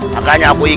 makanya aku berhenti